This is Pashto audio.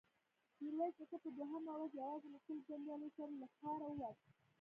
ميرويس نيکه په دوهمه ورځ يواځې له سلو جنګياليو سره له ښاره ووت.